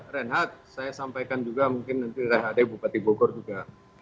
renhat saya sampaikan juga mungkin nanti ada bupati bogor juga